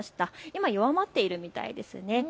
今は弱まっているみたいです。